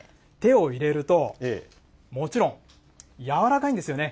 手を入れると、もちろん、柔らかいんですよね。